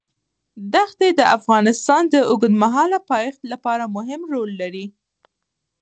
دښتې د افغانستان د اوږدمهاله پایښت لپاره مهم رول لري.